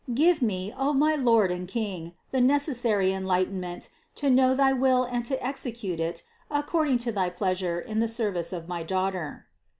Give me, O my Lord and King, the necessary enlightenment to know thy will and to execute it according to thy pleasure in the service of my Daughter."